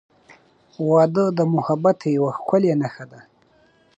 • واده د محبت یوه ښکلی نښه ده.